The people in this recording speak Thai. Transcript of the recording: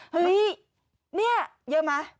เฮ้ยนี่เยอะไหม